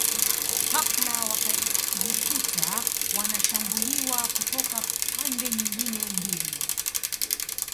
Ghafla wakajikuta wanashambuliwa kutoka pande nyingine mbili